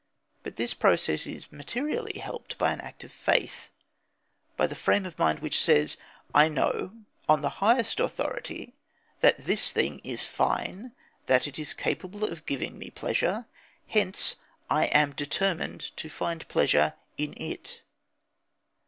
But this process is materially helped by an act of faith, by the frame of mind which says: "I know on the highest authority that this thing is fine, that it is capable of giving me pleasure. Hence I am determined to find pleasure in it."